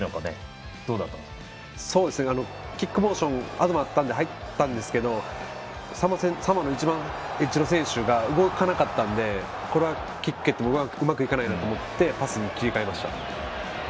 キックモーションに入ったんですけどサモアの選手が動かなかったのでキックを蹴ってもこれはうまくいかないと思ってパスに切り替えました。